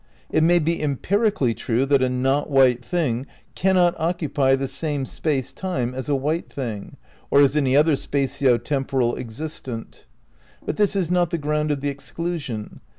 It may be empirically true that a not white thing cannot occupy the same space time as a white thing (or as any other spatio temporal existent), but this is not the ground of the exclusion.